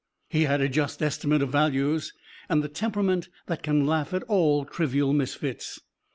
He had a just estimate of values, and the temperament that can laugh at all trivial misfits.